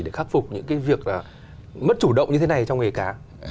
để khắc phục những việc mất chủ động như thế này trong nghề cá